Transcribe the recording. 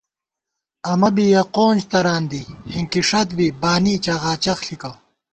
اَمہ بی یَہ قونج تران دی ہِنکِی ݭَت بی بانی چغاچغ ݪِکہ